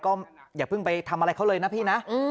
ก็อย่าเพิ่งไปทำอะไรเขาเลยนะพี่นะ